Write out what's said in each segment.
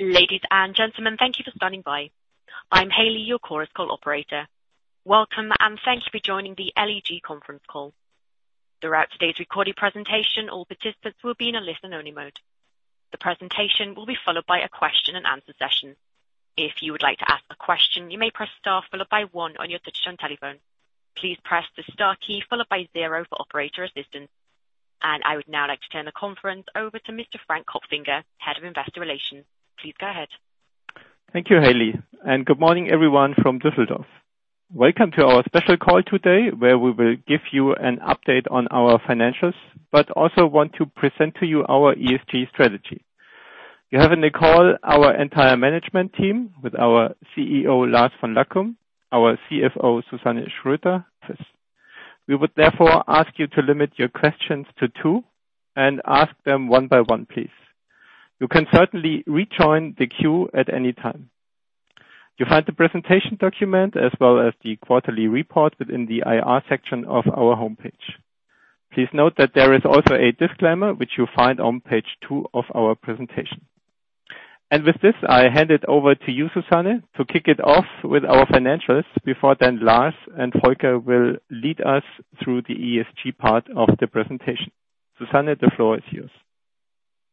Ladies and gentlemen, thank you for standing by. I'm Hayley, your Chorus Call operator. Welcome. Thank you for joining the LEG conference call. Throughout today's recorded presentation, all participants will be in a listen-only mode. The presentation will be followed by a question and answer session. If you would like to ask a question, you may press star followed by one on your touch-tone telephone. Please press the star key followed by zero for operator assistance. I would now like to turn the conference over to Mr. Frank Kopfinger, Head of Investor Relations. Please go ahead. Thank you, Hayley. Good morning everyone from Düsseldorf. Welcome to our special call today, where we will give you an update on our financials, but also want to present to you our ESG strategy. You have in the call our entire management team with our CEO, Lars von Lackum, our CFO, Susanne Schröter. We would therefore ask you to limit your questions to two and ask them one by one, please. You can certainly rejoin the queue at any time. You find the presentation document as well as the quarterly report within the IR section of our homepage. Please note that there is also a disclaimer which you'll find on page two of our presentation. With this, I hand it over to you, Susanne, to kick it off with our financials before then Lars and Volker will lead us through the ESG part of the presentation. Susanne, the floor is yours.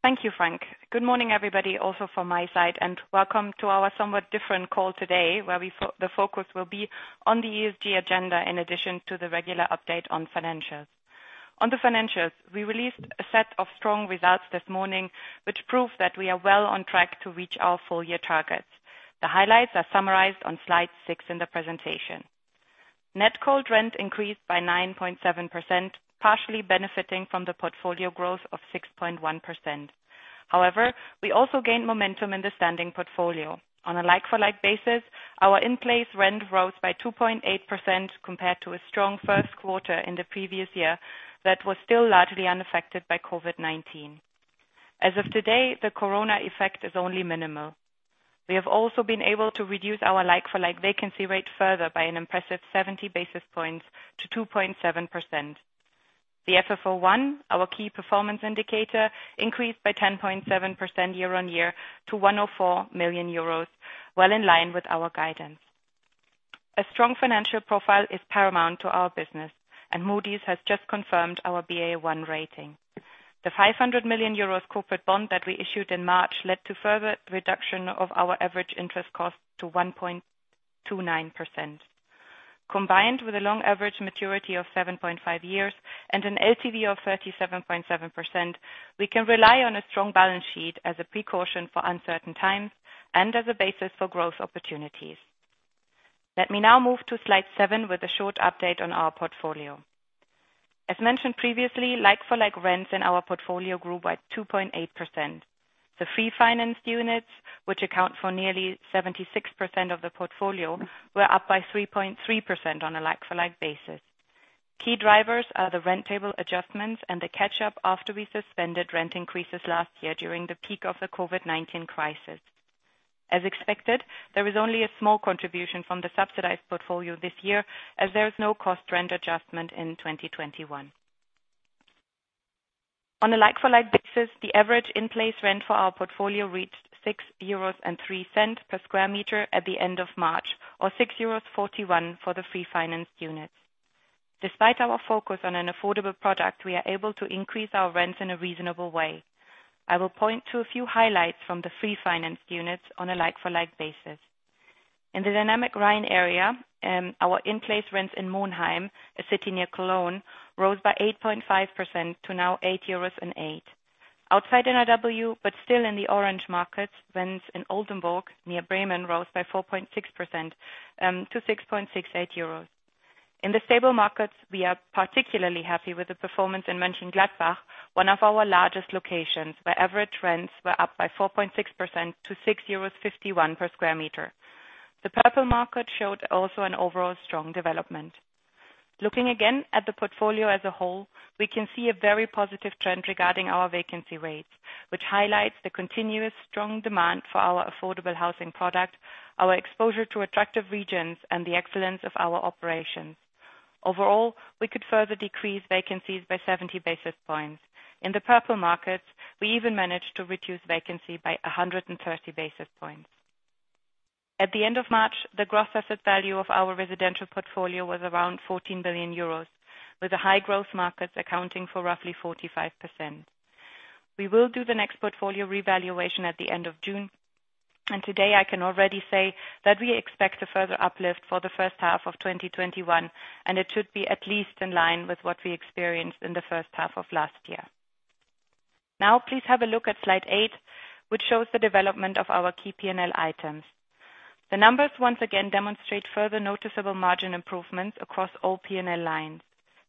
Thank you, Frank. Good morning, everybody, also from my side. Welcome to our somewhat different call today, where the focus will be on the ESG agenda in addition to the regular update on financials. On the financials, we released a set of strong results this morning, which prove that we are well on track to reach our full-year targets. The highlights are summarized on slide six in the presentation. Net cold rent increased by 9.7%, partially benefiting from the portfolio growth of 6.1%. We also gained momentum in the standing portfolio. On a like-for-like basis, our in-place rent rose by 2.8% compared to a strong first quarter in the previous year that was still largely unaffected by COVID-19. As of today, the coronavirus effect is only minimal. We have also been able to reduce our like-for-like vacancy rate further by an impressive 70 basis points to 2.7%. The FFO 1, our key performance indicator, increased by 10.7% year-on-year to 104 million euros, well in line with our guidance. A strong financial profile is paramount to our business. Moody's has just confirmed our Ba1 rating. The 500 million euros corporate bond that we issued in March led to further reduction of our average interest cost to 1.29%. Combined with a long average maturity of 7.5 years and an LTV of 37.7%, we can rely on a strong balance sheet as a precaution for uncertain times and as a basis for growth opportunities. Let me now move to slide seven with a short update on our portfolio. As mentioned previously, like-for-like rents in our portfolio grew by 2.8%. The free financed units, which account for nearly 76% of the portfolio, were up by 3.3% on a like-for-like basis. Key drivers are the rent table adjustments and the catch-up after we suspended rent increases last year during the peak of the COVID-19 crisis. As expected, there is only a small contribution from the subsidized portfolio this year as there is no cost rent adjustment in 2021. On a like-for-like basis, the average in-place rent for our portfolio reached 6.03 euros per square meter at the end of March, or 6.41 euros for the free financed units. Despite our focus on an affordable product, we are able to increase our rents in a reasonable way. I will point to a few highlights from the free financed units on a like-for-like basis. In the Dynamic Rhine area, our in-place rents in Monheim, a city near Cologne, rose by 8.5% to now 8.08 euros. Outside NRW, still in the orange markets, rents in Oldenburg, near Bremen, rose by 4.6% to 6.68 euros. In the stable markets, we are particularly happy with the performance in Mönchengladbach, one of our largest locations, where average rents were up by 4.6% to 6.51 euros per square meter. The purple market showed also an overall strong development. Looking again at the portfolio as a whole, we can see a very positive trend regarding our vacancy rates, which highlights the continuous strong demand for our affordable housing product, our exposure to attractive regions, and the excellence of our operations. Overall, we could further decrease vacancies by 70 basis points. In the purple markets, we even managed to reduce vacancy by 130 basis points. At the end of March, the gross asset value of our residential portfolio was around 14 billion euros, with the high growth markets accounting for roughly 45%. We will do the next portfolio revaluation at the end of June. Today I can already say that we expect a further uplift for the first half of 2021. It should be at least in line with what we experienced in the first half of last year. Now, please have a look at slide eight, which shows the development of our key P&L items. The numbers once again demonstrate further noticeable margin improvements across all P&L lines.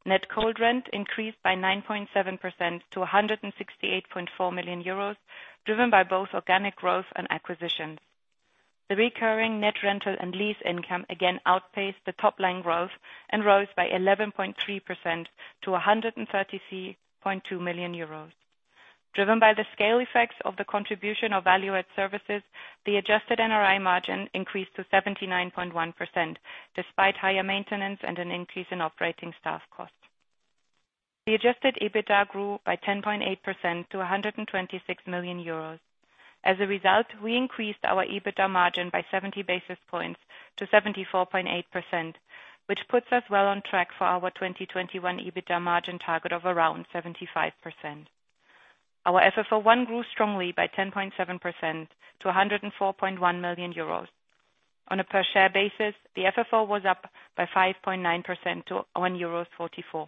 Net cold rent increased by 9.7% to 168.4 million euros, driven by both organic growth and acquisitions. The recurring net rental and lease income again outpaced the top line growth and rose by 11.3% to 133.2 million euros. Driven by the scale effects of the contribution of value-add services, the adjusted NRI margin increased to 79.1%, despite higher maintenance and an increase in operating staff costs. The adjusted EBITDA grew by 10.8% to 126 million euros. As a result, we increased our EBITDA margin by 70 basis points to 74.8%, which puts us well on track for our 2021 EBITDA margin target of around 75%. Our FFO 1 grew strongly by 10.7% to 104.1 million euros. On a per share basis, the FFO was up by 5.9% to 1.44 euros.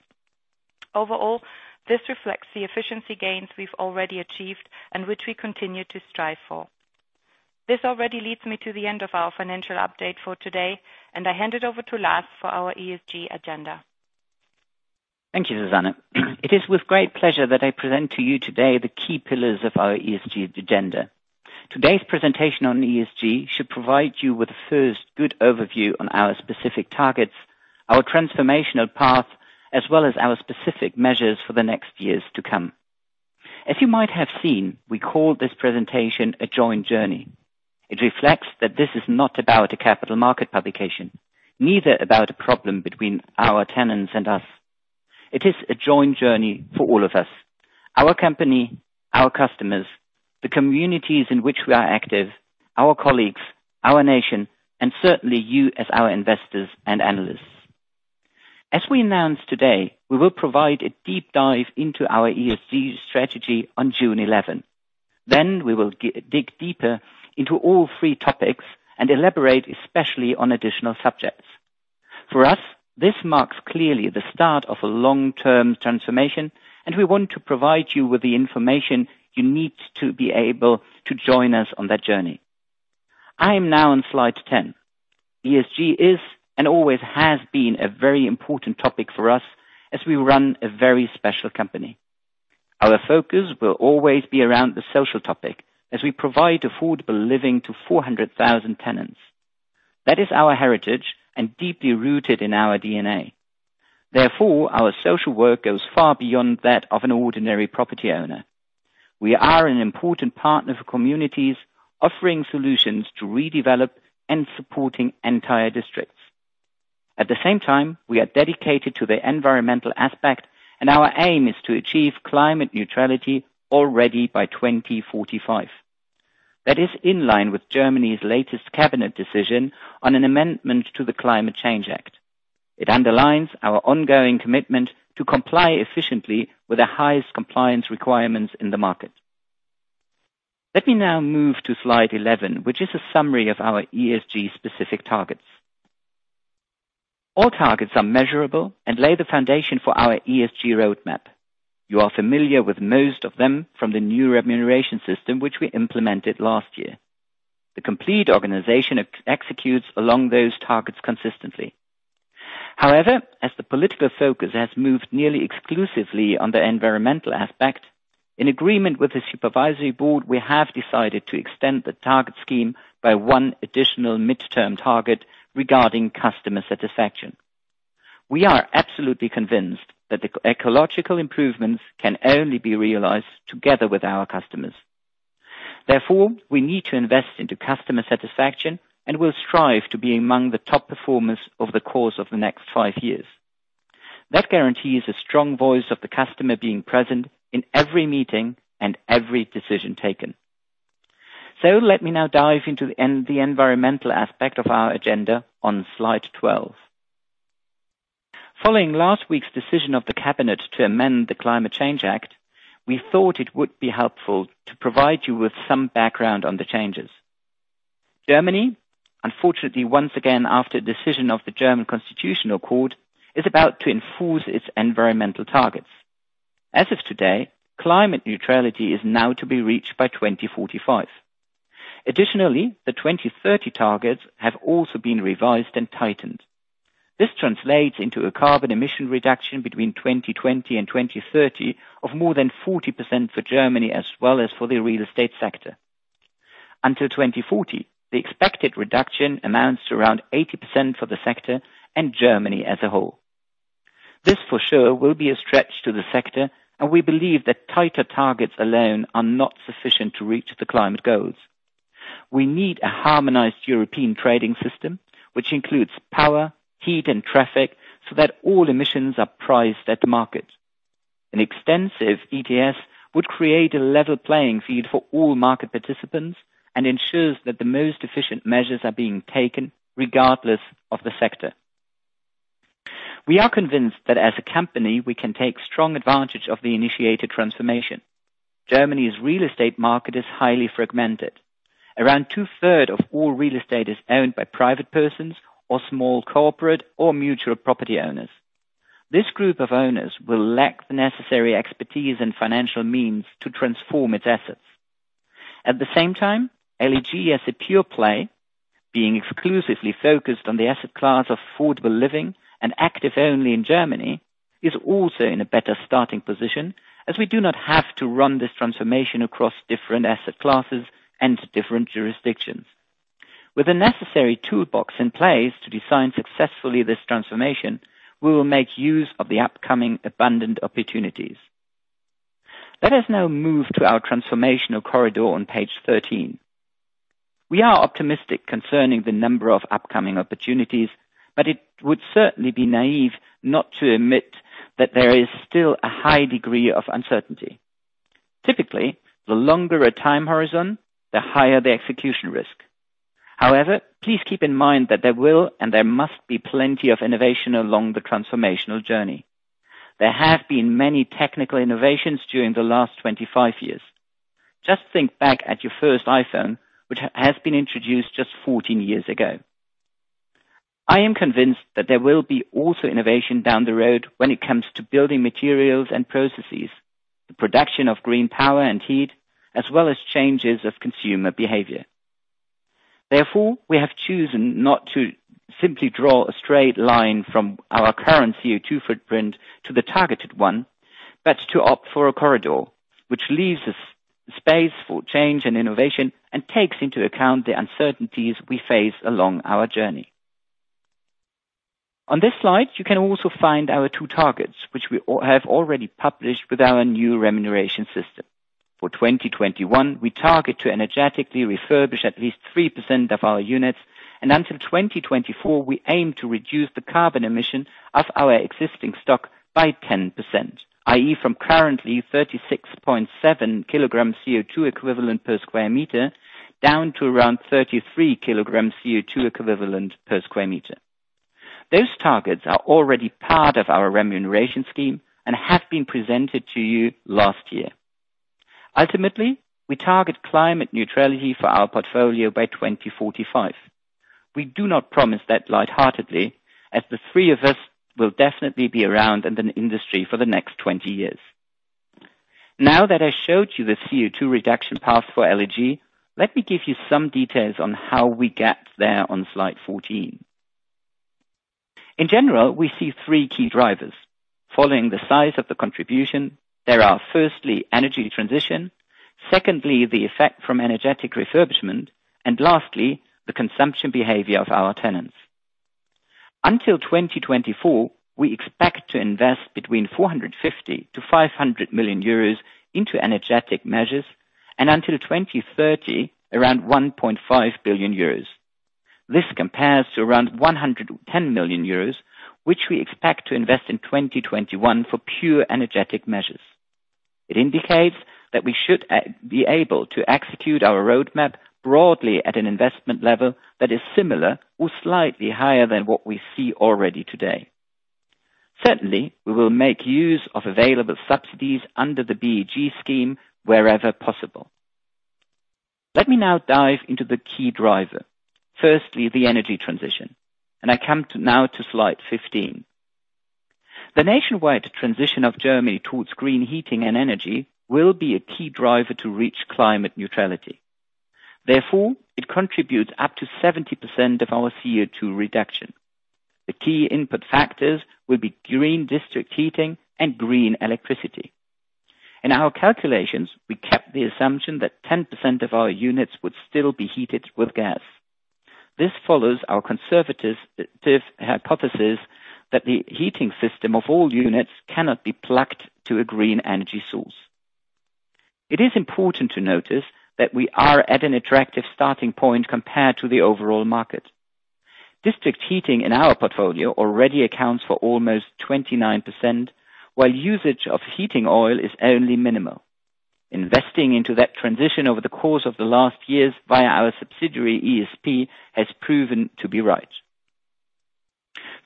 Overall, this reflects the efficiency gains we've already achieved, and which we continue to strive for. This already leads me to the end of our financial update for today, I hand it over to Lars for our ESG agenda. Thank you, Susanne. It is with great pleasure that I present to you today the key pillars of our ESG agenda. Today's presentation on ESG should provide you with a first good overview on our specific targets, our transformational path, as well as our specific measures for the next years to come. As you might have seen, we call this presentation a joint journey. It reflects that this is not about a capital market publication, neither about a problem between our tenants and us. It is a joint journey for all of us, our company, our customers, the communities in which we are active, our colleagues, our nation, and certainly you as our investors and analysts. As we announced today, we will provide a deep dive into our ESG strategy on June 11. We will dig deeper into all three topics and elaborate especially on additional subjects. For us, this marks clearly the start of a long-term transformation, and we want to provide you with the information you need to be able to join us on that journey. I am now on slide 10. ESG is and always has been a very important topic for us as we run a very special company. Our focus will always be around the social topic as we provide affordable living to 400,000 tenants. That is our heritage and deeply rooted in our DNA. Therefore, our social work goes far beyond that of an ordinary property owner. We are an important partner for communities offering solutions to redevelop and supporting entire districts. At the same time, we are dedicated to the Environmental aspect, and our aim is to achieve climate neutrality already by 2045. That is in line with Germany's latest cabinet decision on an amendment to the Climate Change Act. It underlines our ongoing commitment to comply efficiently with the highest compliance requirements in the market. Let me now move to slide 11, which is a summary of our ESG specific targets. All targets are measurable and lay the foundation for our ESG roadmap. You are familiar with most of them from the new remuneration system, which we implemented last year. The complete organization executes along those targets consistently. However, as the political focus has moved nearly exclusively on the Environmental aspect, in agreement with the Supervisory Board, we have decided to extend the target scheme by one additional midterm target regarding customer satisfaction. We are absolutely convinced that the ecological improvements can only be realized together with our customers. Therefore, we need to invest into customer satisfaction and will strive to be among the top performers over the course of the next five years. That guarantees a strong voice of the customer being present in every meeting and every decision taken. Let me now dive into the Environmental aspect of our agenda on slide 12. Following last week's decision of the cabinet to amend the Climate Change Act, we thought it would be helpful to provide you with some background on the changes. Germany, unfortunately once again, after a decision of the German Constitutional Court, is about to enforce its environmental targets. As of today, climate neutrality is now to be reached by 2045. Additionally, the 2030 targets have also been revised and tightened. This translates into a carbon emission reduction between 2020 and 2030 of more than 40% for Germany as well as for the real estate sector. Until 2040, the expected reduction amounts to around 80% for the sector and Germany as a whole. This for sure will be a stretch to the sector, and we believe that tighter targets alone are not sufficient to reach the climate goals. We need a harmonized European trading system, which includes power, heat, and traffic, so that all emissions are priced at the market. An extensive ETS would create a level playing field for all market participants and ensures that the most efficient measures are being taken regardless of the sector. We are convinced that as a company, we can take strong advantage of the initiated transformation. Germany's real estate market is highly fragmented. Around two-thirds of all real estate is owned by private persons or small corporate or mutual property owners. This group of owners will lack the necessary expertise and financial means to transform its assets. At the same time, LEG as a pure play, being exclusively focused on the asset class of affordable living and active only in Germany, is also in a better starting position as we do not have to run this transformation across different asset classes and different jurisdictions. With the necessary toolbox in place to design successfully this transformation, we will make use of the upcoming abundant opportunities. Let us now move to our transformational corridor on page 13. We are optimistic concerning the number of upcoming opportunities, but it would certainly be naïve not to admit that there is still a high degree of uncertainty. Typically, the longer a time horizon, the higher the execution risk. Please keep in mind that there will and there must be plenty of innovation along the transformational journey. There have been many technical innovations during the last 25 years. Just think back at your first iPhone, which has been introduced just 14 years ago. I am convinced that there will be also innovation down the road when it comes to building materials and processes, the production of green power and heat, as well as changes of consumer behavior. Therefore, we have chosen not to simply draw a straight line from our current CO₂ footprint to the targeted one, but to opt for a corridor, which leaves us space for change and innovation and takes into account the uncertainties we face along our journey. On this slide, you can also find our two targets, which we have already published with our new remuneration system. For 2021, we target to energetically refurbish at least 3% of our units, and until 2024, we aim to reduce the carbon emission of our existing stock by 10%, i.e., from currently 36.7 kg CO₂ equivalent per square meter down to around 33 kg CO₂ equivalent per square meter. Those targets are already part of our remuneration scheme and have been presented to you last year. Ultimately, we target climate neutrality for our portfolio by 2045. We do not promise that lightheartedly, as the three of us will definitely be around in the industry for the next 20 years. Now that I showed you the CO₂ reduction path for LEG, let me give you some details on how we get there on slide 14. In general, we see three key drivers. Following the size of the contribution, there are firstly, energy transition, secondly, the effect from energetic refurbishment, and lastly, the consumption behavior of our tenants. Until 2024, we expect to invest between 450 million-500 million euros into energetic measures, and until 2030, around 1.5 billion euros. This compares to around 110 million euros, which we expect to invest in 2021 for pure energetic measures. It indicates that we should be able to execute our roadmap broadly at an investment level that is similar or slightly higher than what we see already today. Certainly, we will make use of available subsidies under the BEG scheme wherever possible. Let me now dive into the key driver. Firstly, the energy transition, and I come now to slide 15. The nationwide transition of Germany towards green heating and energy will be a key driver to reach climate neutrality. Therefore, it contributes up to 70% of our CO₂ reduction. The key input factors will be green district heating and green electricity. In our calculations, we kept the assumption that 10% of our units would still be heated with gas. This follows our conservative hypothesis that the heating system of all units cannot be plugged to a green energy source. It is important to notice that we are at an attractive starting point compared to the overall market. District heating in our portfolio already accounts for almost 29%, while usage of heating oil is only minimal. Investing into that transition over the course of the last years via our subsidiary, ESP, has proven to be right.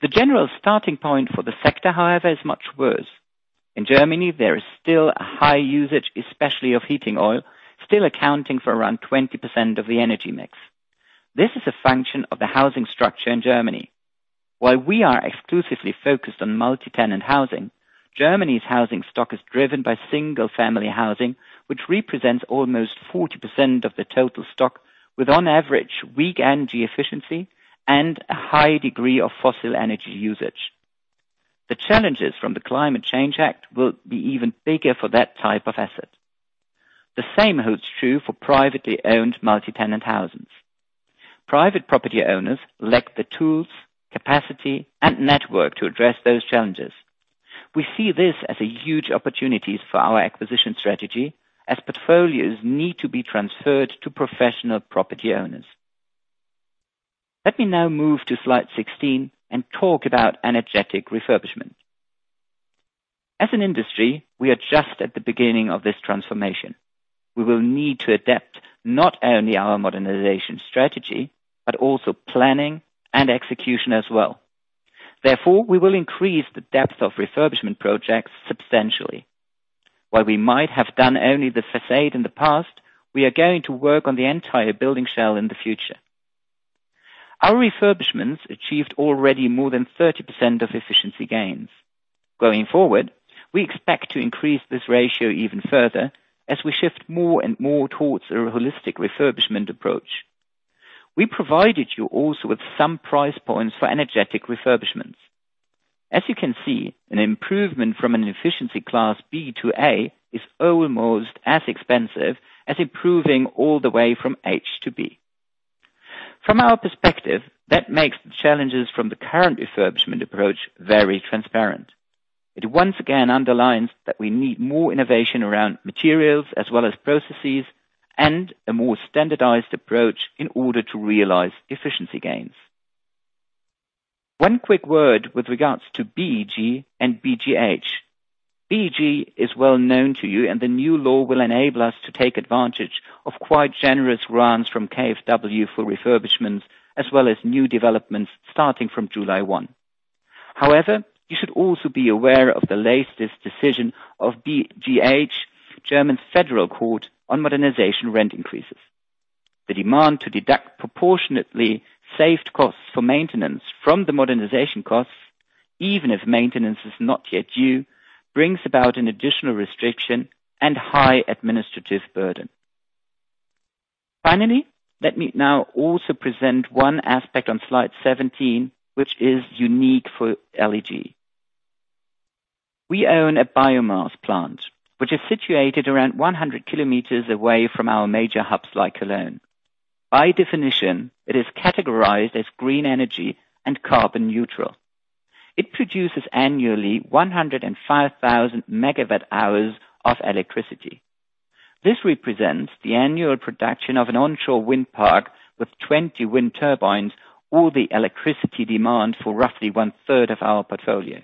The general starting point for the sector, however, is much worse. In Germany, there is still a high usage, especially of heating oil, still accounting for around 20% of the energy mix. This is a function of the housing structure in Germany. While we are exclusively focused on multi-tenant housing, Germany's housing stock is driven by single-family housing, which represents almost 40% of the total stock, with on average, weak energy efficiency and a high degree of fossil energy usage. The challenges from the Climate Change Act will be even bigger for that type of asset. The same holds true for privately owned multi-tenant houses. Private property owners lack the tools, capacity, and network to address those challenges. We see this as a huge opportunity for our acquisition strategy, as portfolios need to be transferred to professional property owners. Let me now move to slide 16 and talk about energetic refurbishment. As an industry, we are just at the beginning of this transformation. We will need to adapt not only our modernization strategy, but also planning and execution as well. Therefore, we will increase the depth of refurbishment projects substantially. While we might have done only the façade in the past, we are going to work on the entire building shell in the future. Our refurbishments achieved already more than 30% of efficiency gains. Going forward, we expect to increase this ratio even further as we shift more and more towards a holistic refurbishment approach. We provided you also with some price points for energetic refurbishments. As you can see, an improvement from an efficiency class B to A is almost as expensive as improving all the way from H to B. From our perspective, that makes the challenges from the current refurbishment approach very transparent. It once again underlines that we need more innovation around materials as well as processes, and a more standardized approach in order to realize efficiency gains. One quick word with regards to BEG and BGH. BEG is well known to you, and the new law will enable us to take advantage of quite generous grants from KfW for refurbishments as well as new developments starting from July 1. However, you should also be aware of the latest decision of BGH, German Federal Court, on modernization rent increases. The demand to deduct proportionately saved costs for maintenance from the modernization costs, even if maintenance is not yet due, brings about an additional restriction and high administrative burden. Finally, let me now also present one aspect on slide 17, which is unique for LEG. We own a biomass plant, which is situated around 100 km away from our major hubs like Cologne. By definition, it is categorized as green energy and carbon neutral. It produces annually 105,000 MWh of electricity. This represents the annual production of an onshore wind park with 20 wind turbines or the electricity demand for roughly one-third of our portfolio.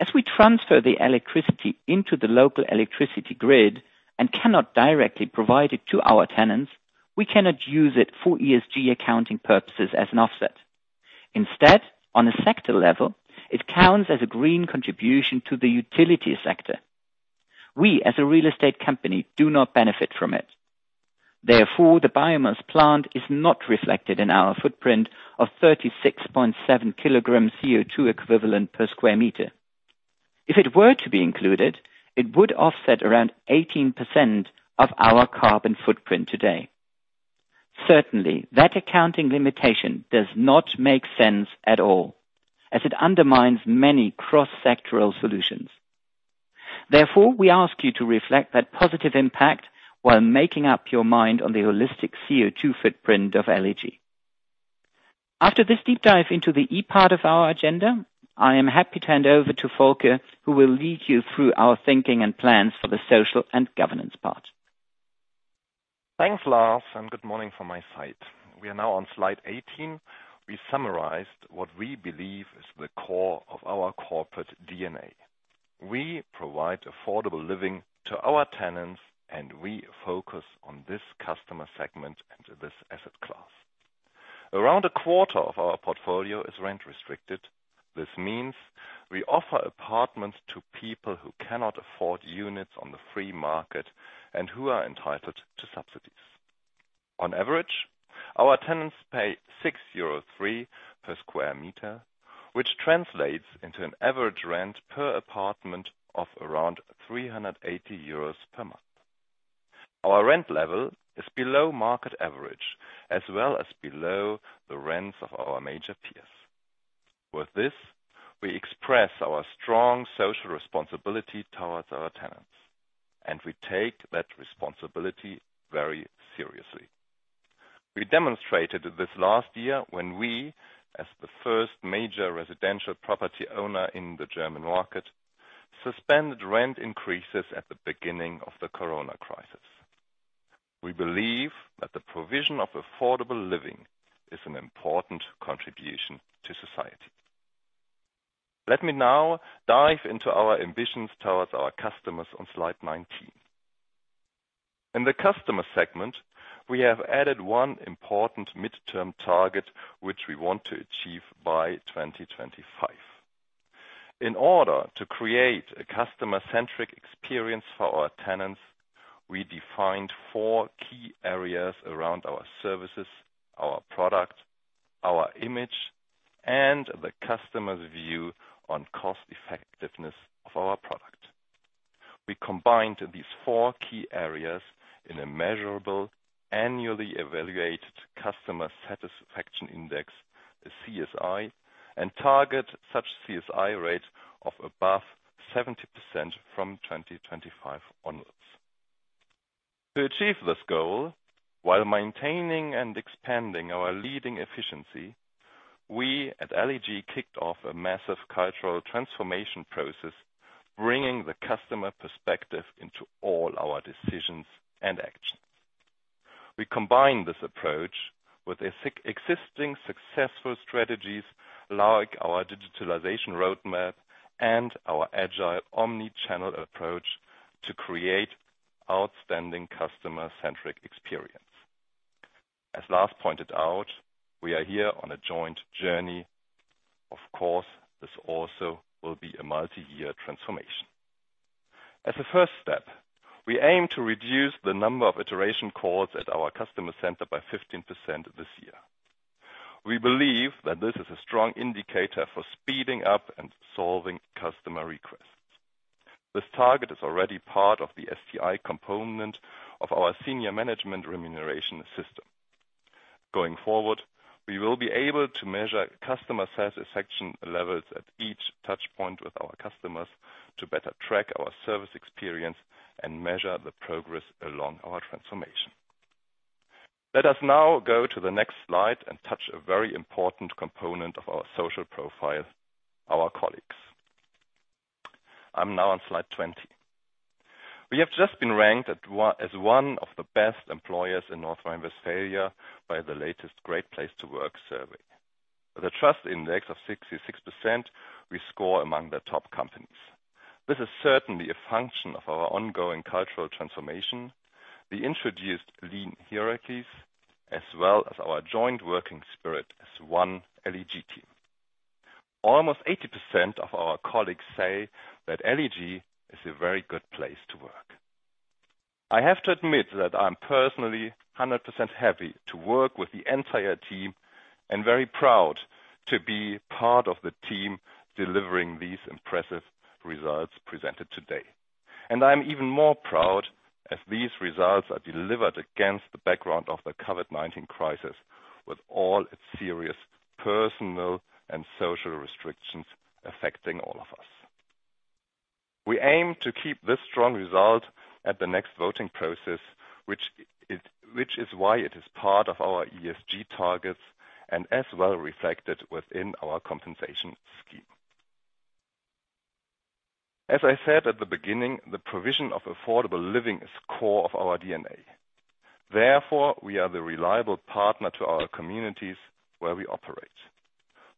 As we transfer the electricity into the local electricity grid and cannot directly provide it to our tenants, we cannot use it for ESG accounting purposes as an offset. Instead, on a sector level, it counts as a green contribution to the utility sector. We, as a real estate company, do not benefit from it. The biomass plant is not reflected in our footprint of 36.7 kg CO₂ equivalent per square meter. If it were to be included, it would offset around 18% of our carbon footprint today. Certainly, that accounting limitation does not make sense at all, as it undermines many cross-sectoral solutions. We ask you to reflect that positive impact while making up your mind on the holistic CO₂ footprint of LEG. After this deep dive into the E part of our agenda, I am happy to hand over to Volker, who will lead you through our thinking and plans for the Social and Governance part. Thanks, Lars. Good morning from my side. We are now on slide 18. We summarized what we believe is the core of our corporate DNA. We provide affordable living to our tenants, and we focus on this customer segment and this asset class. Around a quarter of our portfolio is rent-restricted. This means we offer apartments to people who cannot afford units on the free market and who are entitled to subsidies. On average, our tenants pay 6.03 euro per square meter, which translates into an average rent per apartment of around 380 euros per month. Our rent level is below market average, as well as below the rents of our major peers. With this, we express our strong social responsibility towards our tenants, and we take that responsibility very seriously. We demonstrated this last year when we, as the first major residential property owner in the German market, suspended rent increases at the beginning of the coronavirus crisis. We believe that the provision of affordable living is an important contribution to society. Let me now dive into our ambitions towards our customers on slide 19. In the customer segment, we have added one important midterm target, which we want to achieve by 2025. In order to create a customer-centric experience for our tenants, we defined four key areas around our services, our product, our image, and the customer's view on cost effectiveness of our product. We combined these four key areas in a measurable annually evaluated Customer Satisfaction Index, a CSI, and target such CSI rate of above 70% from 2025 onwards. To achieve this goal, while maintaining and expanding our leading efficiency, we at LEG kicked off a massive cultural transformation process, bringing the customer perspective into all our decisions and actions. We combine this approach with existing successful strategies like our digitalization roadmap and our agile omni-channel approach to create outstanding customer-centric experience. As Lars pointed out, we are here on a joint journey. Of course, this also will be a multi-year transformation. As a first step, we aim to reduce the number of iteration calls at our customer center by 15% this year. We believe that this is a strong indicator for speeding up and solving customer requests. This target is already part of the STI component of our senior management remuneration system. Going forward, we will be able to measure customer satisfaction levels at each touch point with our customers to better track our service experience and measure the progress along our transformation. Let us now go to the next slide and touch a very important component of our social profile, our colleagues. I'm now on slide 20. We have just been ranked as one of the best employers in North Rhine-Westphalia by the latest Great Place To Work survey. With a trust index of 66%, we score among the top companies. This is certainly a function of our ongoing cultural transformation. We introduced lean hierarchies as well as our joint working spirit as one LEG team. Almost 80% of our colleagues say that LEG is a very good place to work. I have to admit that I'm personally 100% happy to work with the entire team and very proud to be part of the team delivering these impressive results presented today. I'm even more proud as these results are delivered against the background of the COVID-19 crisis, with all its serious personal and social restrictions affecting all of us. We aim to keep this strong result at the next voting process, which is why it is part of our ESG targets and as well reflected within our compensation scheme. As I said at the beginning, the provision of affordable living is core of our DNA. Therefore, we are the reliable partner to our communities where we operate.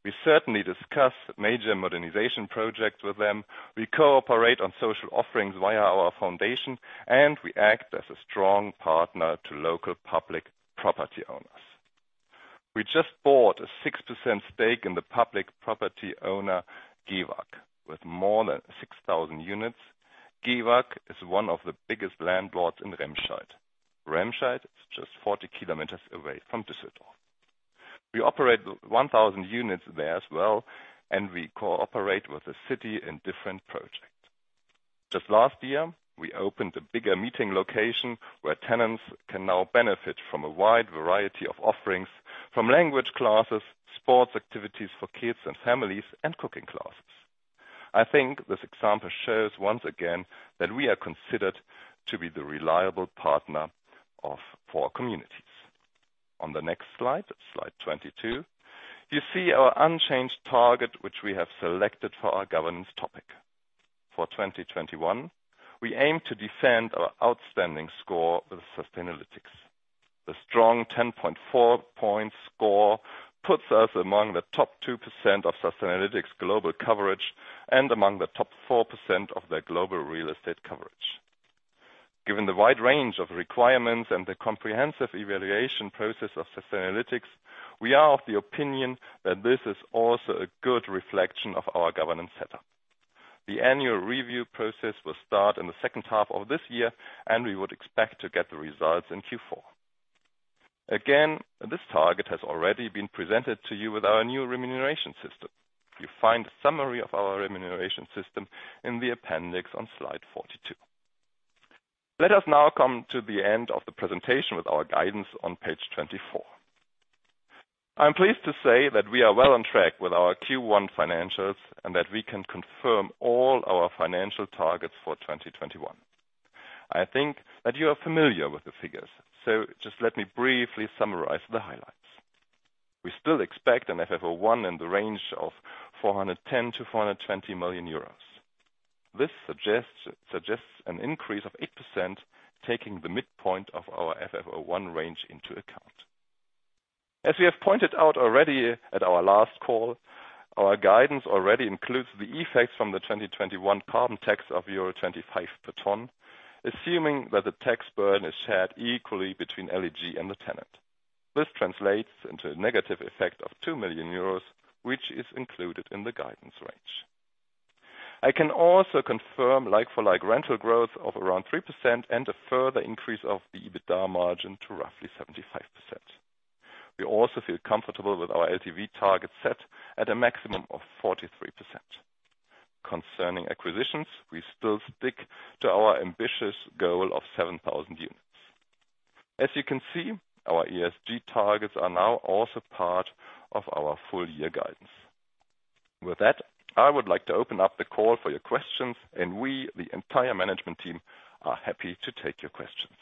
We certainly discuss major modernization projects with them. We cooperate on social offerings via our foundation, and we act as a strong partner to local public property owners. We just bought a 6% stake in the public property owner GEWAG. With more than 6,000 units, GEWAG is one of the biggest landlords in Remscheid. Remscheid is just 40 km away from Düsseldorf. We operate 1,000 units there as well, and we cooperate with the city in different projects. Just last year, we opened a bigger meeting location where tenants can now benefit from a wide variety of offerings, from language classes, sports activities for kids and families, and cooking classes. I think this example shows once again that we are considered to be the reliable partner for our communities. On the next slide 22, you see our unchanged target, which we have selected for our Governance topic. For 2021, we aim to defend our outstanding score with Sustainalytics. The strong 10.4 point score puts us among the top 2% of Sustainalytics global coverage and among the top 4% of their global real estate coverage. Given the wide range of requirements and the comprehensive evaluation process of Sustainalytics, we are of the opinion that this is also a good reflection of our governance setup. The annual review process will start in the second half of this year, and we would expect to get the results in Q4. Again, this target has already been presented to you with our new remuneration system. You find a summary of our remuneration system in the appendix on slide 42. Let us now come to the end of the presentation with our guidance on page 24. I'm pleased to say that we are well on track with our Q1 financials, and that we can confirm all our financial targets for 2021. I think that you are familiar with the figures. Just let me briefly summarize the highlights. We still expect an FFO 1 in the range of 410 million-420 million euros. This suggests an increase of 8%, taking the midpoint of our FFO 1 range into account. As we have pointed out already at our last call, our guidance already includes the effects from the 2021 carbon tax of euro 25 per ton, assuming that the tax burden is shared equally between LEG and the tenant. This translates into a negative effect of 2 million euros, which is included in the guidance range. I can also confirm like-for-like rental growth of around 3% and a further increase of the EBITDA margin to roughly 75%. We also feel comfortable with our LTV target set at a maximum of 43%. Concerning acquisitions, we still stick to our ambitious goal of 7,000 units. As you can see, our ESG targets are now also part of our full year guidance. With that, I would like to open up the call for your questions, and we, the entire management team, are happy to take your questions.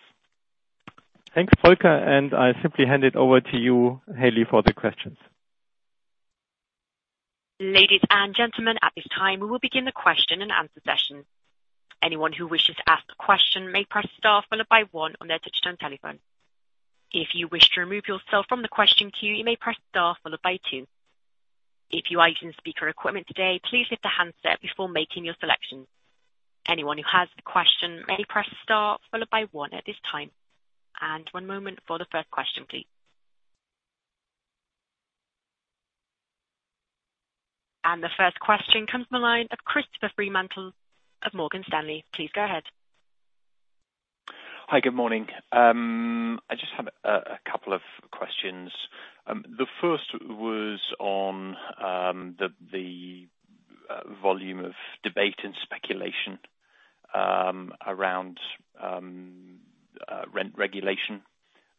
Thanks, Volker. I simply hand it over to you, Hayley, for the questions. Ladies and gentlemen, at this time, we will begin the question and answer session. Anyone who wishes to ask a question may press star followed by one on their touch-tone telephone. If you wish to remove yourself from the question queue, you may press star followed by two. If you are using speaker equipment today, please lift the handset before making your selection. Anyone who has a question may press star followed by one at this time. One moment for the first question, please. The first question comes from the line of Christopher Fremantle of Morgan Stanley. Please go ahead. Hi. Good morning. I just have a couple of questions. The first was on the volume of debate and speculation around rent regulation,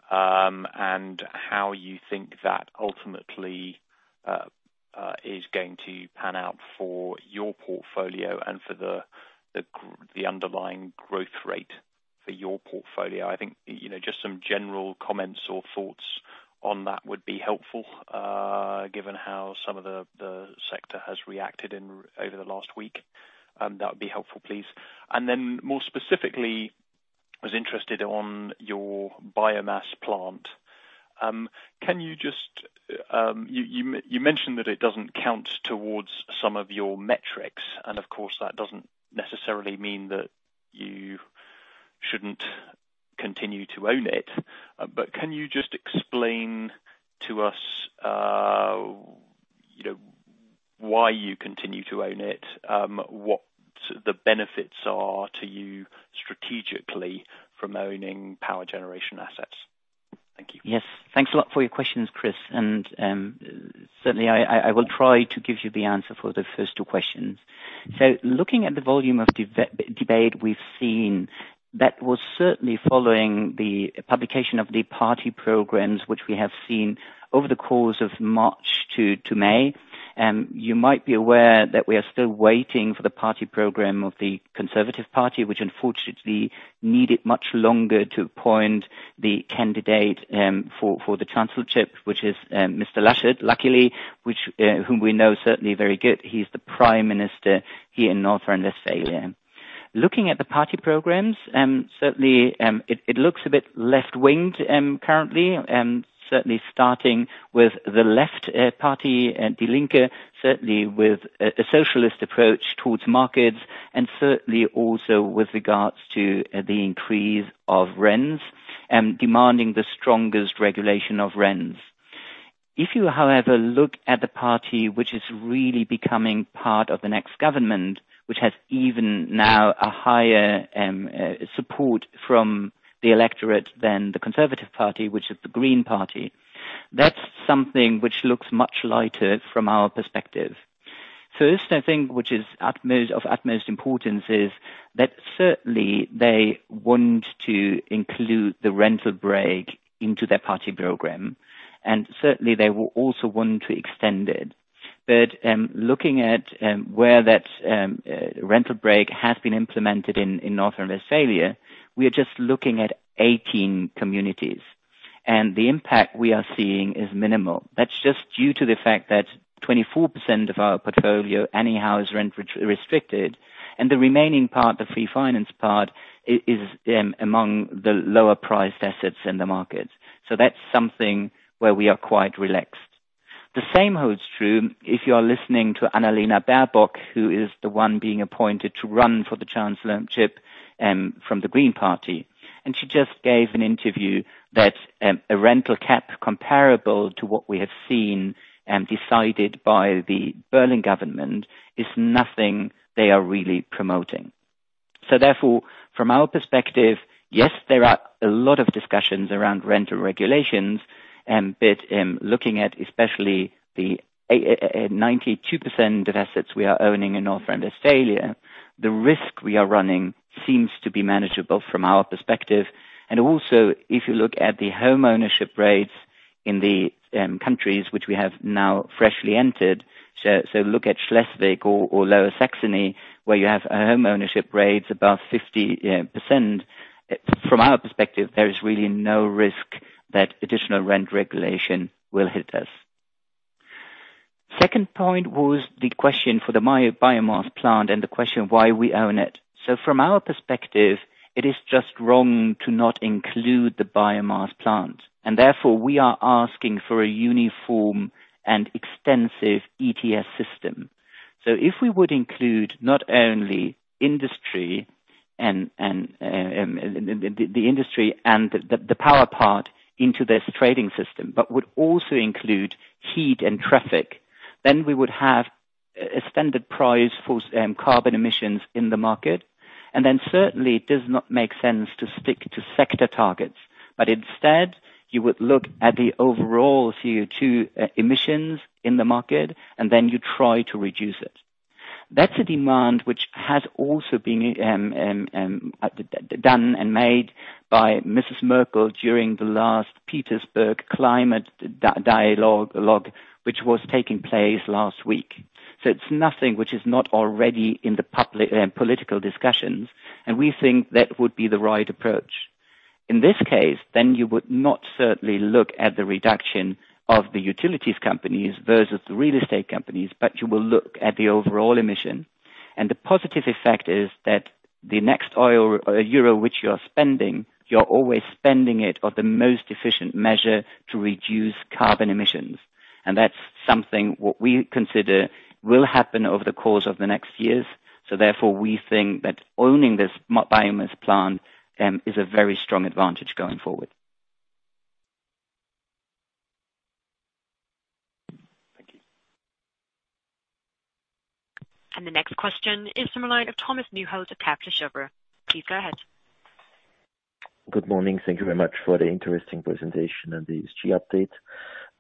and how you think that ultimately is going to pan out for your portfolio and for the underlying growth rate for your portfolio. I think just some general comments or thoughts on that would be helpful, given how some of the sector has reacted over the last week. That would be helpful, please. More specifically, I was interested on your biomass plant. You mentioned that it doesn't count towards some of your metrics, and of course, that doesn't necessarily mean that you shouldn't continue to own it, but can you just explain to us why you continue to own it? What the benefits are to you strategically from owning power generation assets? Thank you. Yes. Thanks a lot for your questions, Chris. Certainly, I will try to give you the answer for the first two questions. Looking at the volume of debate we've seen, that was certainly following the publication of the party programs, which we have seen over the course of March to May. You might be aware that we are still waiting for the party program of the Conservative Party, which unfortunately needed much longer to appoint the candidate for the chancellorship, which is Mr. Laschet. Luckily, whom we know certainly very good. He's the Prime Minister here in North Rhine-Westphalia. Looking at the party programs, certainly, it looks a bit left-winged currently. Certainly starting with the left party, Die Linke, certainly with a socialist approach towards markets and certainly also with regards to the increase of rents and demanding the strongest regulation of rents. If you, however, look at the party, which is really becoming part of the next government, which has even now a higher support from the electorate than the Conservative Party, which is the Green Party, that's something which looks much lighter from our perspective. I think, which is of utmost importance is that certainly they want to include the rental brake into their party program, and certainly, they will also want to extend it. Looking at where that rental brake has been implemented in North Rhine-Westphalia, we are just looking at 18 communities, and the impact we are seeing is minimal. That's just due to the fact that 24% of our portfolio anyhow is rent-restricted, and the remaining part, the free financed part, is among the lower priced assets in the market. That's something where we are quite relaxed. The same holds true if you are listening to Annalena Baerbock, who is the one being appointed to run for the chancellorship from the Green Party, she just gave an interview that a rental cap comparable to what we have seen decided by the Berlin government is nothing they are really promoting. Therefore, from our perspective, yes, there are a lot of discussions around rental regulations, but looking at especially the 92% of assets we are owning in North Rhine-Westphalia, the risk we are running seems to be manageable from our perspective. Also, if you look at the home ownership rates in the countries which we have now freshly entered, look at Schleswig-Holstein or Lower Saxony, where you have home ownership rates above 50%, from our perspective, there is really no risk that additional rent regulation will hit us. Second point was the question for the biomass plant and the question why we own it. From our perspective, it is just wrong to not include the biomass plant, and therefore we are asking for a uniform and extensive ETS system. If we would include not only the industry and the power part into this trading system, but would also include heat and traffic, then we would have a standard price for carbon emissions in the market. Certainly it does not make sense to stick to sector targets, but instead, you would look at the overall CO₂ emissions in the market, and then you try to reduce it. That's a demand which has also been done and made by Merkel during the last Petersberg Climate Dialogue, which was taking place last week. It's nothing which is not already in the political discussions, and we think that would be the right approach. In this case, then you would not certainly look at the reduction of the utilities companies versus the real estate companies, but you will look at the overall emission. The positive effect is that the next euro which you are spending, you are always spending it on the most efficient measure to reduce carbon emissions. That's something what we consider will happen over the course of the next years. Therefore, we think that owning this biomass plant is a very strong advantage going forward. Thank you. The next question is the line of Thomas Neuhold of Kepler Cheuvreux. Please go ahead. Good morning. Thank you very much for the interesting presentation and the ESG update.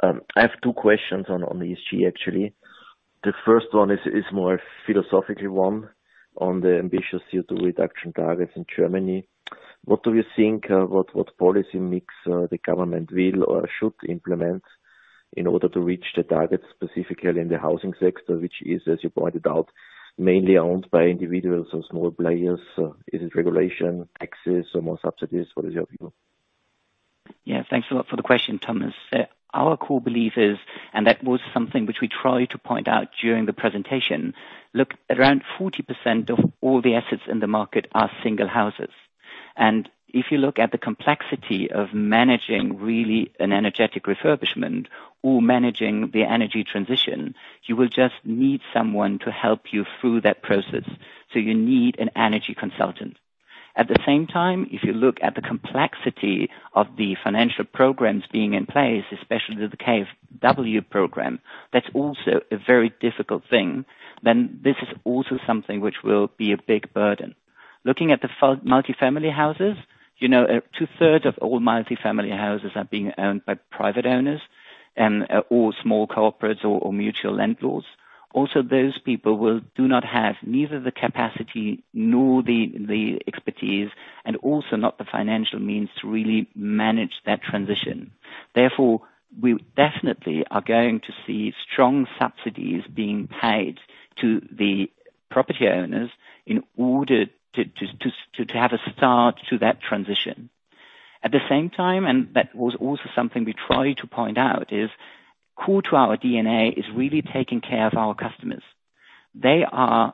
I have two questions on ESG, actually. The first one is more a philosophical one on the ambitious CO₂ reduction targets in Germany. What do you think about what policy mix the government will or should implement in order to reach the targets, specifically in the housing sector, which is, as you pointed out, mainly owned by individuals or small players? Is it regulation, taxes or more subsidies? What is your view? Thanks a lot for the question, Thomas. Our core belief is, and that was something which we tried to point out during the presentation. Look, around 40% of all the assets in the market are single houses. If you look at the complexity of managing really an energetic refurbishment or managing the energy transition, you will just need someone to help you through that process. You need an energy consultant. At the same time, if you look at the complexity of the financial programs being in place, especially the KfW program, that's also a very difficult thing, this is also something which will be a big burden. Looking at the multi-family houses, two-thirds of all multi-family houses are being owned by private owners or small corporates or mutual landlords. Those people do not have neither the capacity nor the expertise and also not the financial means to really manage that transition. We definitely are going to see strong subsidies being paid to the property owners in order to have a start to that transition. At the same time, that was also something we try to point out is, core to our DNA is really taking care of our customers. They are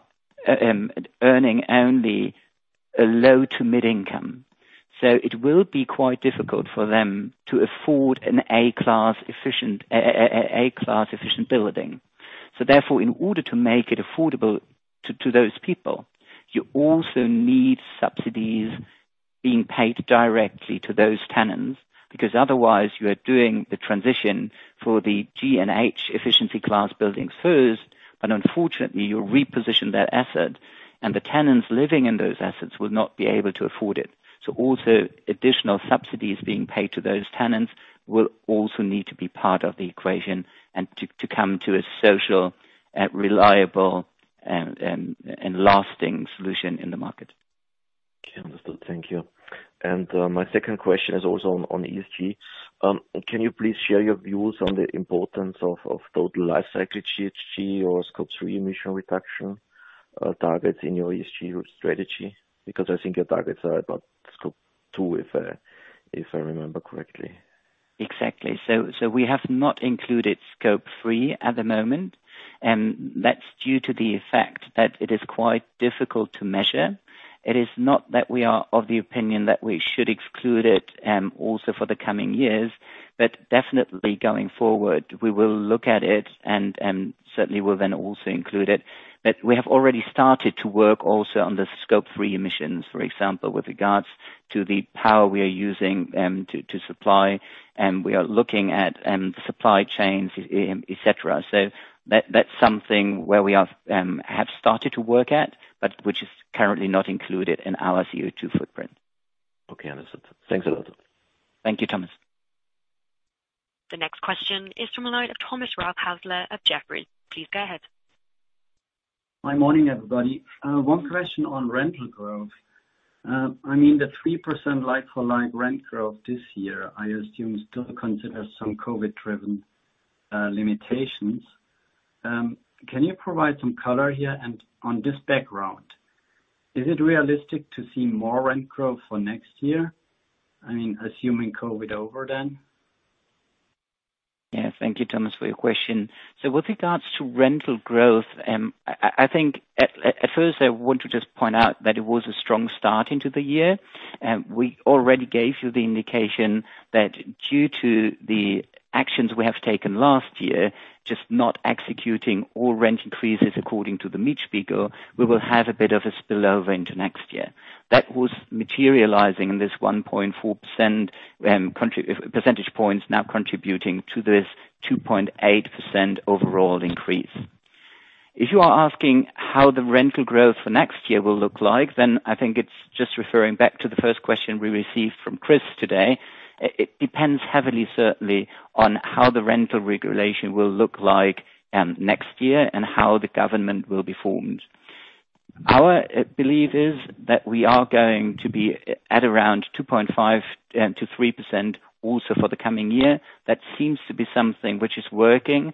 earning only a low to mid income, so it will be quite difficult for them to afford an A-class efficiency building. Therefore, in order to make it affordable to those people, you also need subsidies being paid directly to those tenants, because otherwise you are doing the transition for the G and H efficiency class buildings first, but unfortunately, you reposition that asset and the tenants living in those assets will not be able to afford it. Also, additional subsidies being paid to those tenants will also need to be part of the equation and to come to a social, reliable and lasting solution in the market. Okay, understood. Thank you. My second question is also on ESG. Can you please share your views on the importance of total life cycle GHG or Scope 3 emission reduction targets in your ESG strategy? Because I think your targets are about Scope 2, if I remember correctly. Exactly. We have not included Scope 3 at the moment, and that's due to the effect that it is quite difficult to measure. It is not that we are of the opinion that we should exclude it, also for the coming years, but definitely going forward, we will look at it and certainly will then also include it. We have already started to work also on the Scope 3 emissions, for example, with regards to the power we are using to supply, and we are looking at the supply chains, et cetera. That's something where we have started to work at, but which is currently not included in our CO2 footprint. Okay, understood. Thanks a lot. Thank you, Thomas. The next question is from the line of Thomas Rothaeusler of Jefferies. Please go ahead. My morning, everybody. One question on rental growth. I mean the 3% like for like rent growth this year, I assume still consider some COVID-driven limitations. Can you provide some color here? On this background, is it realistic to see more rent growth for next year, I mean, assuming COVID over then? Yeah. Thank you, Thomas, for your question. With regards to rental growth, I think at first I want to just point out that it was a strong start into the year. We already gave you the indication that due to the actions we have taken last year, just not executing all rent increases according to the Mietspiegel, we will have a bit of a spill over into next year. That was materializing in this 1.4 percentage points now contributing to this 2.8% overall increase. If you are asking how the rental growth for next year will look like, then I think it's just referring back to the first question we received from Chris today. It depends heavily, certainly, on how the rental regulation will look like next year and how the government will be formed. Our belief is that we are going to be at around 2.5%-3% also for the coming year. That seems to be something which is working,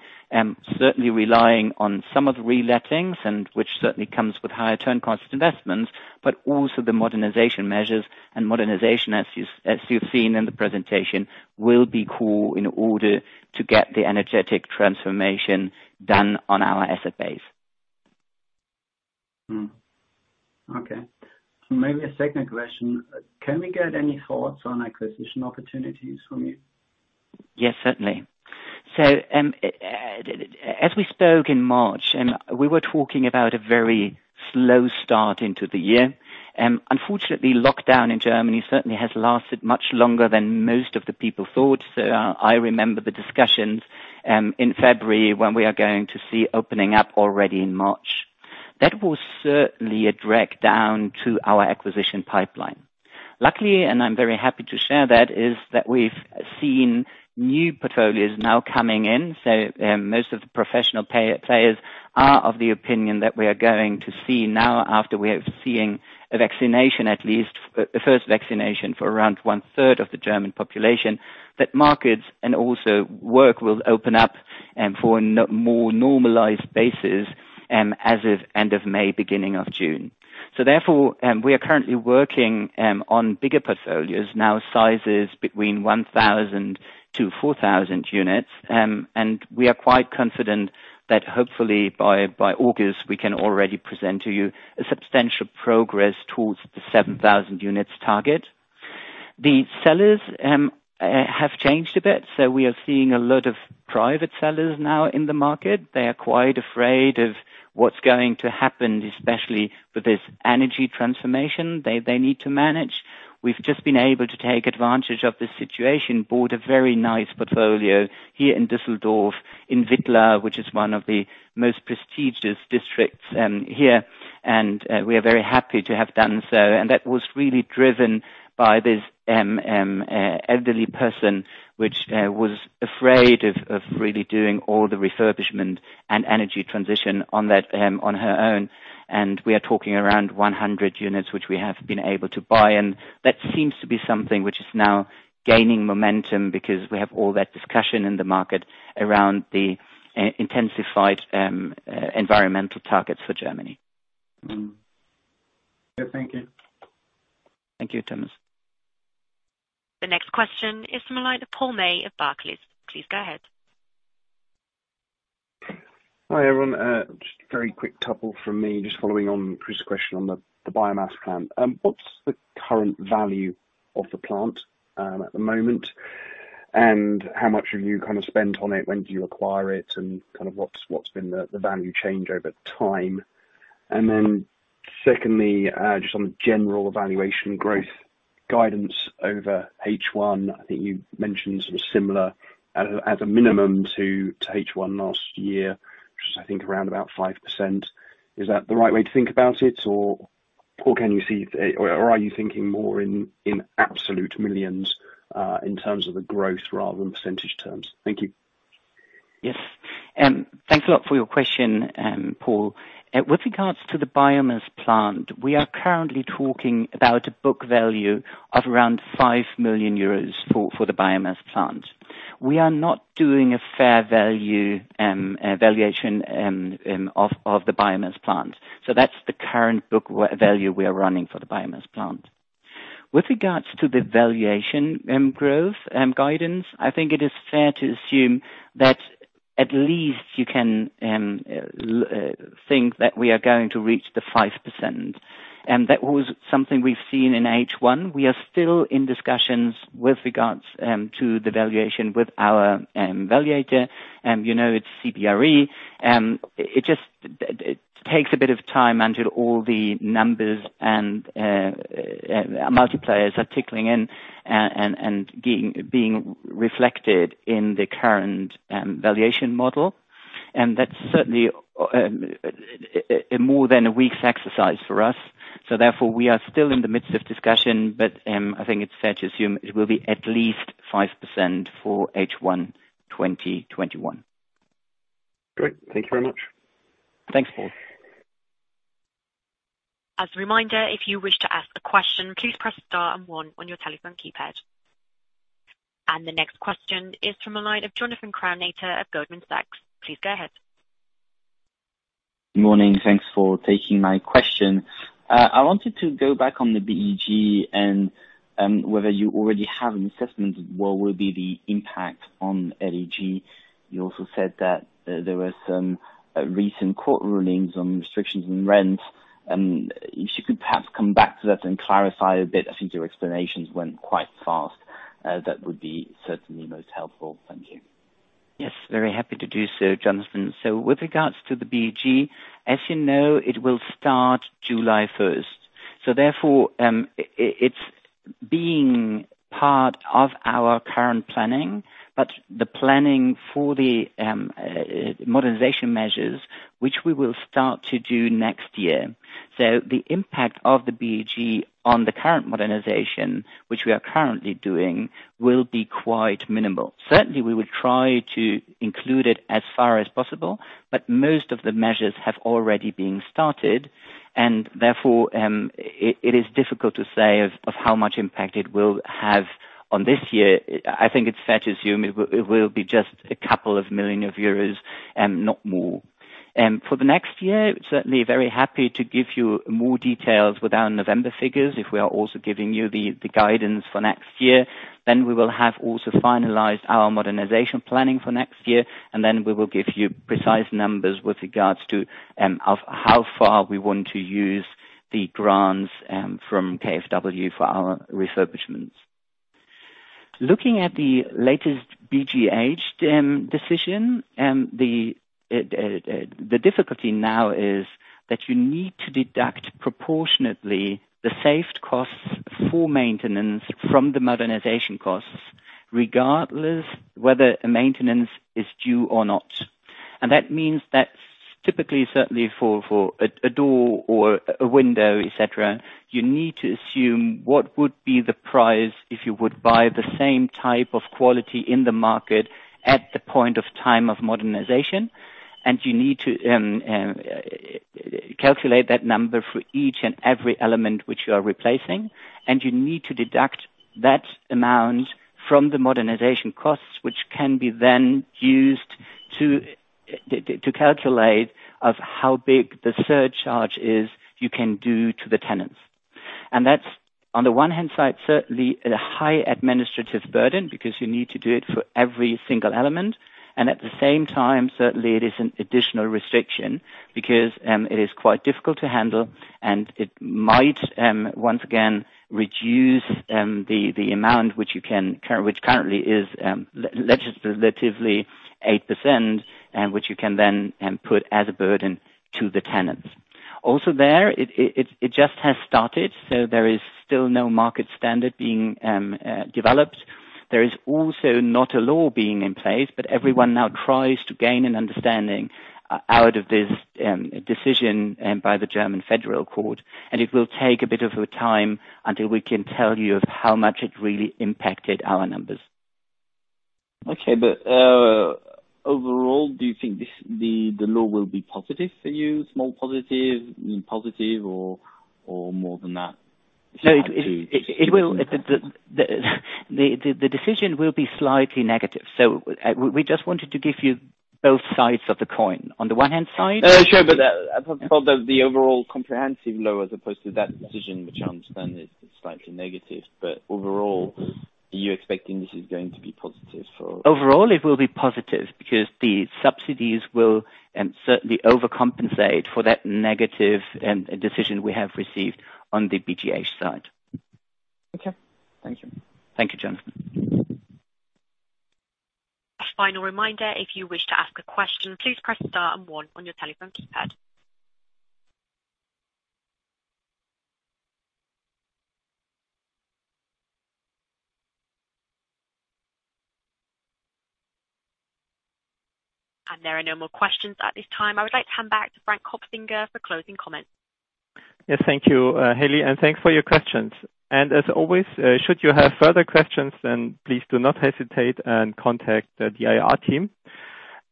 certainly relying on some of the relettings and which certainly comes with higher turn costs and investments, but also the modernization measures and modernization, as you've seen in the presentation, will be core in order to get the energetic transformation done on our asset base. Okay. Maybe a second question. Can we get any thoughts on acquisition opportunities from you? Yes, certainly. As we spoke in March, we were talking about a very slow start into the year. Unfortunately, lockdown in Germany certainly has lasted much longer than most of the people thought. I remember the discussions in February when we are going to see opening up already in March. That was certainly a drag-down to our acquisition pipeline. Luckily, and I'm very happy to share that, is that we've seen new portfolios now coming in. Most of the professional players are of the opinion that we are going to see now after we are seeing a vaccination, at least the first vaccination for around one-third of the German population, that markets and also work will open up, for a more normalized basis, as of end of May, beginning of June. Therefore, we are currently working on bigger portfolios now, sizes between 1,000-4,000 units. We are quite confident that hopefully by August, we can already present to you a substantial progress towards the 7,000 units target. The sellers have changed a bit. We are seeing a lot of private sellers now in the market. They are quite afraid of what's going to happen, especially with this energy transformation they need to manage. We've just been able to take advantage of this situation, bought a very nice portfolio here in Düsseldorf, in Wittlaer, which is one of the most prestigious districts here, and we are very happy to have done so. That was really driven by this elderly person, which was afraid of really doing all the refurbishment and energy transition on her own. We are talking around 100 units, which we have been able to buy, and that seems to be something which is now gaining momentum because we have all that discussion in the market around the intensified environmental targets for Germany. Mm-hmm. Yeah. Thank you. Thank you, Thomas. The next question is from the line of Paul May of Barclays. Please go ahead. Hi, everyone. Just a very quick couple from me. Just following on Christopher's question on the biomass plant. What's the current value of the plant, at the moment? How much have you spent on it? When did you acquire it, and what's been the value change over time? Secondly, just on the general evaluation growth guidance over H1, I think you mentioned sort of similar at a minimum to H1 last year, which is I think around about 5%. Is that the right way to think about it, or are you thinking more in absolute millions, in terms of the growth rather than percentage terms? Thank you. Yes. Thanks a lot for your question, Paul. With regards to the biomass plant, we are currently talking about a book value of around 5 million euros for the biomass plant. We are not doing a fair value valuation of the biomass plant. That's the current book value we are running for the biomass plant. With regards to the valuation growth guidance, I think it is fair to assume that at least you can think that we are going to reach the 5%. That was something we've seen in H1. We are still in discussions with regards to the valuation with our valuator. You know, it's CBRE. It just takes a bit of time until all the numbers and multipliers are trickling in and being reflected in the current valuation model. That's certainly more than a week's exercise for us. Therefore, we are still in the midst of discussion, but, I think it's fair to assume it will be at least 5% for H1 2021. Great. Thank you very much. Thanks, Paul. As a reminder, if you wish to ask a question, please press star and one on your telephone keypad. The next question is from the line of Jonathan Kownator of Goldman Sachs. Please go ahead. Good morning. Thanks for taking my question. I wanted to go back on the BEG and whether you already have an assessment what will be the impact on LEG. You also said that there were some recent court rulings on restrictions on rent, if you could perhaps come back to that and clarify a bit, I think your explanations went quite fast. That would be certainly most helpful. Thank you. Yes. Very happy to do so, Jonathan. With regards to the BEG, as you know, it will start July 1st, therefore, it's being part of our current planning, but the planning for the modernization measures, which we will start to do next year. The impact of the BEG on the current modernization, which we are currently doing, will be quite minimal. Certainly, we will try to include it as far as possible, but most of the measures have already been started, therefore, it is difficult to say of how much impact it will have on this year. I think it's fair to assume it will be just a couple of million euros and not more. For the next year, certainly very happy to give you more details with our November figures, if we are also giving you the guidance for next year. We will have also finalized our modernization planning for next year, and then we will give you precise numbers with regards to how far we want to use the grants from KfW for our refurbishments. Looking at the latest BGH decision, the difficulty now is that you need to deduct proportionately the saved costs for maintenance from the modernization costs. Regardless whether a maintenance is due or not. That means that typically, certainly for a door or a window, et cetera, you need to assume what would be the price if you would buy the same type of quality in the market at the point of time of modernization, and you need to calculate that number for each and every element which you are replacing, and you need to deduct that amount from the modernization costs, which can be then used to calculate of how big the surcharge is you can do to the tenants. That's, on the one hand side, certainly a high administrative burden because you need to do it for every single element, and at the same time, certainly it is an additional restriction because it is quite difficult to handle and it might, once again, reduce the amount which currently is legislatively 8% and which you can then put as a burden to the tenants. Also there, it just has started, so there is still no market standard being developed. There is also not a law being in place, but everyone now tries to gain an understanding out of this decision by the German Federal Court, and it will take a bit of a time until we can tell you of how much it really impacted our numbers. Okay. Overall, do you think the law will be positive for you? Small positive, or more than that? No, the decision will be slightly negative. We just wanted to give you both sides of the coin. Sure. For the overall comprehensive law as opposed to that decision, which I understand is slightly negative. Overall, are you expecting this is going to be positive for? Overall, it will be positive because the subsidies will certainly overcompensate for that negative decision we have received on the BGH side. Okay. Thank you. Thank you, Jonathan. A final reminder, if you wish to ask a question, please press star and one on your telephone keypad. There are no more questions at this time. I would like to hand back to Frank Kopfinger for closing comments. Yes. Thank you, Hayley, thanks for your questions. As always, should you have further questions then please do not hesitate and contact the IR team.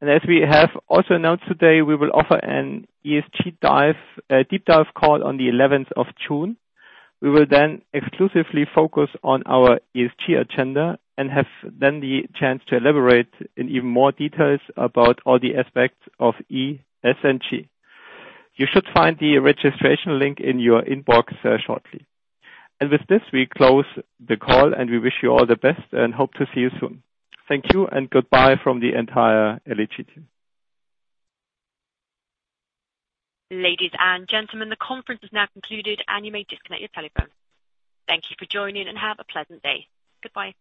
As we have also announced today, we will offer an ESG Deep Dive Call on the 11th of June. We will then exclusively focus on our ESG agenda and have the chance to elaborate in even more details about all the aspects of E, S, and G. You should find the registration link in your inbox shortly. With this, we close the call and we wish you all the best and hope to see you soon. Thank you and goodbye from the entire LEG team. Ladies and gentlemen, the conference is now concluded and you may disconnect your telephone. Thank you for joining and have a pleasant day. Goodbye.